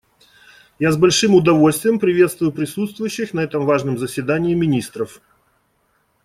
Я с большим удовольствием приветствую присутствующих на этом важном заседании министров.